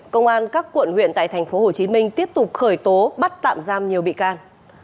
công an các quận huyện tại tp hcm tiếp tục khởi tố bắt tạm giam nhiều bị can